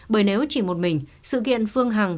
bởi nếu chỉ một mình sự kiện phương hằng